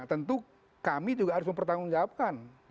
nah tentu kami juga harus mempertanggung jawabkan